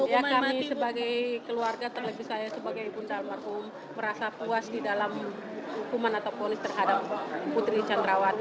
ya kami sebagai keluarga terlebih saya sebagai ibunda almarhum merasa puas di dalam hukuman atau polis terhadap putri candrawati